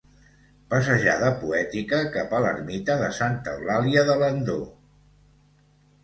Passejada poètica cap a l'ermita de Santa Eulàlia d'Alendo.